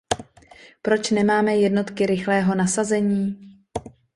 Proč nemáme jednotky rychlého nasazení?